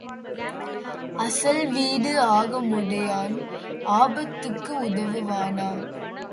அசல் வீட்டு அகமுடையான் ஆபத்துக்கு உதவுவானா?